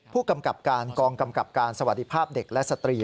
ผู้กำกับการกองกำกับการสวัสดีภาพเด็กและสตรี